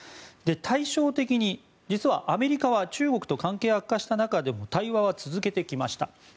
対照的に、実はアメリカは中国と関係が悪化した中でも対話は続けてきました。